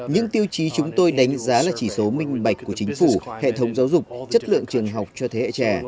những tiêu chí chúng tôi đánh giá là chỉ số minh bạch của chính phủ hệ thống giáo dục chất lượng trường học cho thế hệ trẻ